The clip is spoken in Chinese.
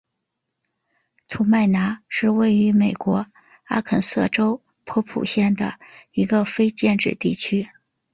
士麦拿是位于美国阿肯色州波普县的一个非建制地区。